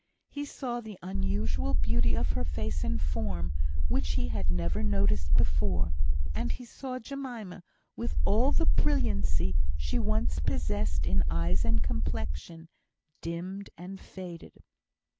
He saw the unusual beauty of her face and form, which he had never noticed before; and he saw Jemima, with all the brilliancy she once possessed in eyes and complexion, dimmed and faded.